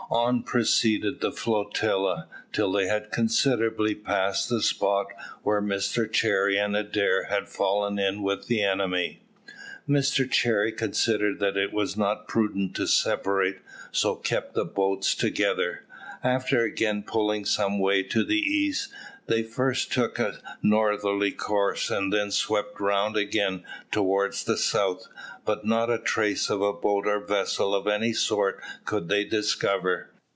On proceeded the flotilla, till they had considerably passed the spot where Mr Cherry and Adair had fallen in with the enemy. Mr Cherry considered that it was not prudent to separate, so kept the boats together. After again pulling some way to the east, they first took a northerly course, and then swept round again towards the south, but not a trace of a boat or vessel of any sort could they discover.